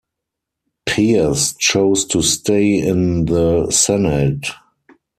Pearce chose to stay in the Senate.